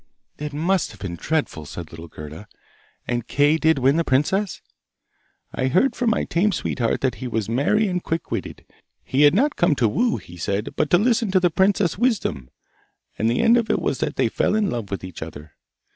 'It must have been dreadful!' said little Gerda. 'And Kay did win the princess?' 'I heard from my tame sweetheart that he was merry and quick witted; he had not come to woo, he said, but to listen to the princess's wisdom. And the end of it was that they fell in love with each other.